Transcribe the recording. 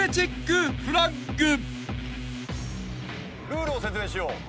ルールを説明しよう。